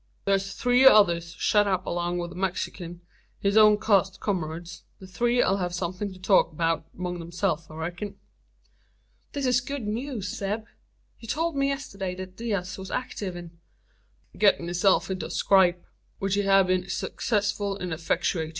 Thur's three others shet up along wi' the Mexikin his own cussed cummarades. The three 'll have somethin' to talk 'beout 'mong themselves, I reck'n." "This is good news, Zeb. You told me yesterday that Diaz was active in " "Gittin' hisself into a scrape, which he hev been successful in effectuatin'.